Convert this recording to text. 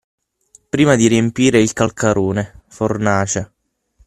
prima di riempire il calcarone (fornace).